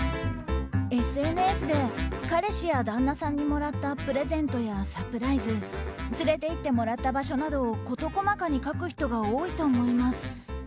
ＳＮＳで彼氏や旦那さんにもらったプレゼントやサプライズ連れて行ってもらった場所などを事細かに書く人が多いと思います。